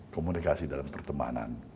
komunikasi dan pertemanan